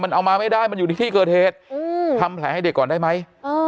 มันเอามาไม่ได้มันอยู่ในที่เกิดเหตุทำแผลให้เด็กก่อนได้ไหม